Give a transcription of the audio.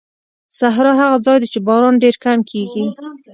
صحرا هغه ځای دی چې باران ډېر کم کېږي.